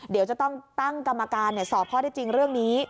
เดี๋ยวจะต้องตั้งกรรมการสอบข้อได้จริงเรื่องนี้